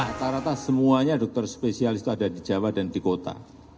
rata rata semuanya dokter spesialis itu ada di jawa dan di kota